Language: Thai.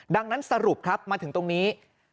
ดังนั้นสรุปครับมาถึงตรงนี้